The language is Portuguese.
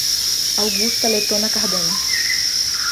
Augusta Letona Cardenas